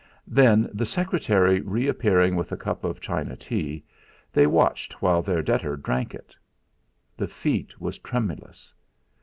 Then, the secretary reappearing with a cup of China tea, they watched while their debtor drank it. The feat was tremulous.